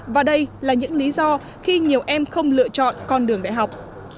và đây là những lý do khi nhiều em không lựa chọn con đường đại học